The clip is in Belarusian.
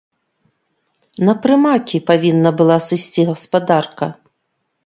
На прымакі павінна была сысці гаспадарка.